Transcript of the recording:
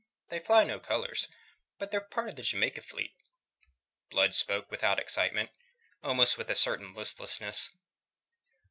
"They fly no colours, but they're part of the Jamaica fleet." Blood spoke without excitement, almost with a certain listlessness.